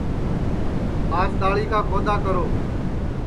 آج دؔاݪی کا کھودؔا کرو